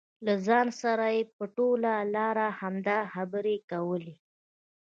له ځان سره یې په ټوله لار همدا خبرې کولې.